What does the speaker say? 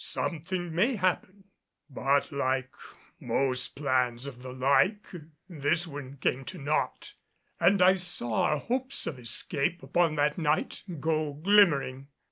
Something may happen." But like most plans of the like, this one came to naught; and I saw our hopes of escape upon that night go glimmering.